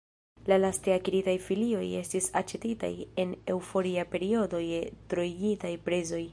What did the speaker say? La laste akiritaj filioj estis aĉetitaj en eŭforia periodo je troigitaj prezoj.